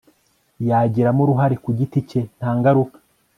yagiramo uruhare ku giti cye nta ngaruka